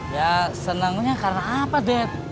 ya senangnya karena apa dead